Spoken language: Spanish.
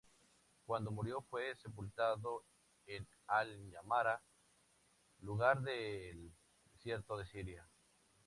Cuando murió fue sepultado en al-Namāra, lugar del desierto de Siria.